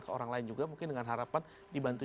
ke orang lain juga mungkin dengan harapan dibantu